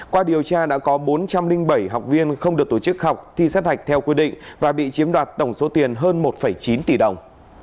qua điều tra đã có bốn trăm linh bảy học viên không được tổ chức học thi sát hạch theo quy định và bị chiếm đoạt tổng số tiền hơn một chín tỷ đồng